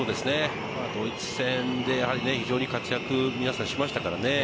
ドイツ戦で非常に活躍、皆さんしましたからね。